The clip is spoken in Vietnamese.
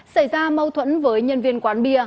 xảy ra mâu thuẫn với nhân viên quán bia